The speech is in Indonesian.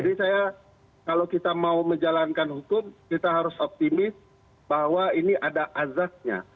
jadi saya kalau kita mau menjalankan hukum kita harus optimis bahwa ini ada azaznya